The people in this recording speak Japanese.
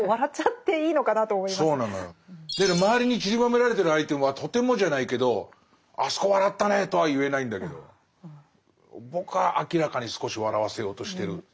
周りにちりばめられてるアイテムはとてもじゃないけどあそこ笑ったねとは言えないんだけど僕は明らかに少し笑わせようとしてる。